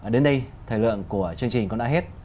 đến đây thời lượng của chương trình cũng đã hết